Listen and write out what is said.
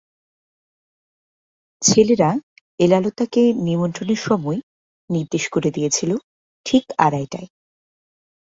ছেলেরা এলালতাকে নিমন্ত্রণের সময় নির্দেশ করে দিয়েছিল ঠিক আড়াইটায়।